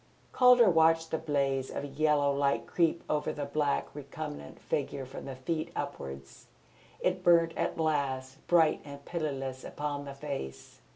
Calder watched the blaze of yellow light creep over the black recumbent figure from the feet upwards. It burnt at last bright and pitiless upon the face.